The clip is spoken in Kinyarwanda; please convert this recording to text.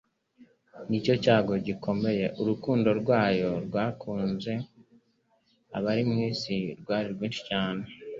n'icyo cyago gikomeye. Urukundo rwayo yakunze abari mu isi rwari rwinshi cyane